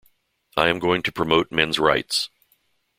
I am going to promote men's rights.